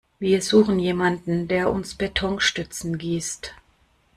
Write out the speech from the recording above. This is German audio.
Wir suchen jemanden, der uns Betonstützen gießt.